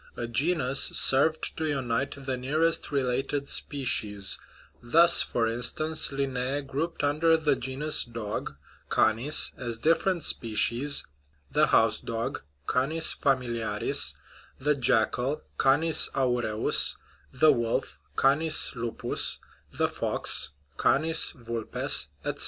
A genus served to unite the nearest related species ; thus, for instance, Linne grouped under the genus " dog " (cams), as dif ferent species, the house dog (cam's familiar is), the jackal (cants aureus), the wolf (cam's lupus) the fox (canis vulpes), etc.